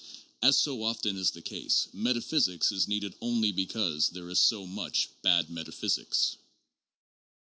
As so often is the case, metaphysics is needed only because there is so much bad metaphysics.